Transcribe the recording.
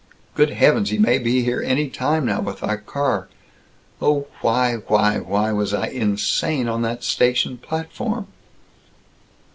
Good heavens, he may be here any time now, with our car. Oh, why why why was I insane on that station platform?"